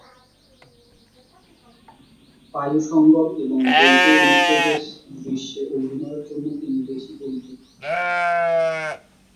পায়ুসঙ্গম এবং দ্বৈত অনুপ্রবেশ দৃশ্যে অভিনয়ের জন্য তিনি বেশি পরিচিত।